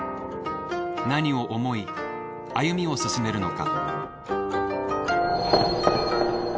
何を思い歩みを進めるのか。